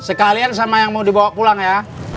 sekalian sama yang mau dibawa pulang ya